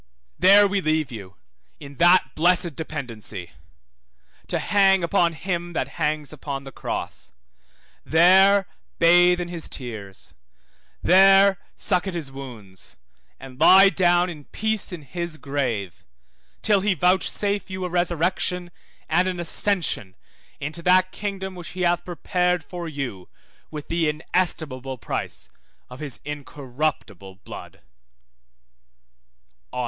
There we leave you in that blessed dependency, to hang upon him that hangs upon the cross, there bathe in his tears, there suck at his wounds, and lie down in peace in his grave, till he vouchsafe you a resurrection, and an ascension into that kingdom which He hath prepared for you with the inestimable price of his incorruptible blood.